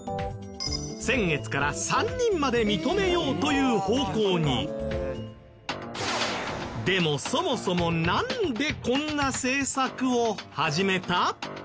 先月から３人まで認めようという方向に。でもそもそもなんでこんな政策を始めた？